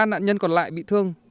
ba nạn nhân còn lại bị thương